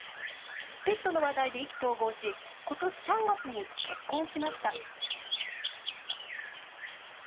ペットの話題で意気投合しことし３月に結婚しました。